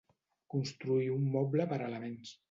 Construir un moble per elements.